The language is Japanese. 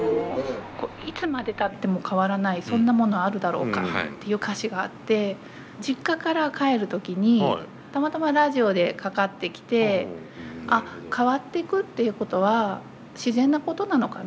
「いつまで経っても変わらないそんな物あるだろうか」っていう歌詞があって実家から帰る時にたまたまラジオでかかってきてあっ変わっていくっていうことは自然なことなのかなっていうふうに。